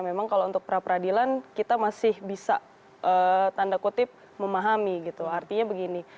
memang kalau untuk pra peradilan kita masih bisa tanda kutip memahami gitu artinya begini